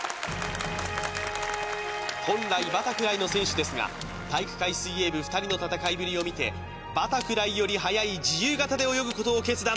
本来バタフライの選手ですが体育会水泳部２人の戦いぶりを見てバタフライよりはやい自由形で泳ぐことを決断